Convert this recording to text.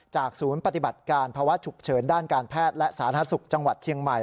ศูนย์ปฏิบัติการภาวะฉุกเฉินด้านการแพทย์และสาธารณสุขจังหวัดเชียงใหม่